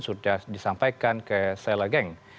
sudah disampaikan ke ceyla gang